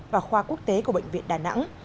và khoa quốc tế của bệnh viện đà nẵng